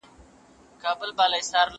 زه به اوږده موده اوبه پاکې کړې وم؟!